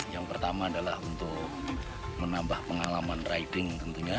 yang pertama adalah untuk menambah pengalaman riding tentunya